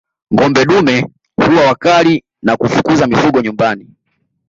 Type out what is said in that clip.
Ngombe dume huwa wakali na kufukuza mifugo nyumbani